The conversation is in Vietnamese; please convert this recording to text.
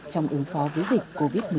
trong ứng phó với dịch covid một mươi chín